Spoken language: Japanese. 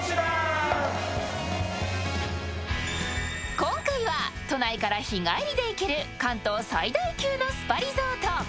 今回は、都内から日帰りで行ける関東最大級のスパリゾート。